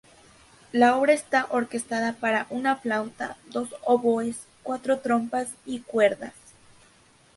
La obra está orquestada para una flauta dos oboes, cuatro trompas y cuerdas.